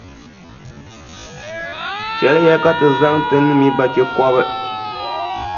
Chɛliya ka ti zaŋ ti ni mi bachikɔbʼ.